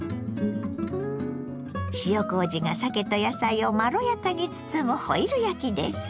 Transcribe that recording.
塩こうじがさけと野菜をまろやかに包むホイル焼きです。